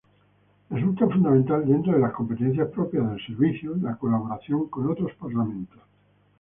Resulta fundamental, dentro de las competencias propias del servicio, la colaboración con otros parlamentos.